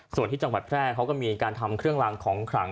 ส่วนที่จังหวัดแพร่เขาก็มีการทำเครื่องรางของขลัง